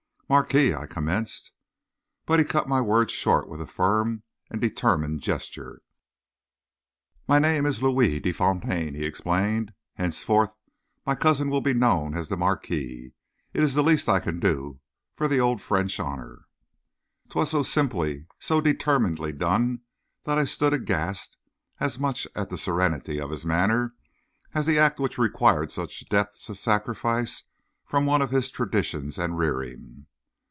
"Marquis " I commenced. But he cut my words short with a firm and determined gesture. "My name is Louis de Fontaine," he explained. "Henceforth my cousin will be known as the marquis. It is the least I can do for the old French honor." 'Twas so simply, so determinedly done that I stood aghast as much at the serenity of his manner as the act which required such depth of sacrifice from one of his traditions and rearing.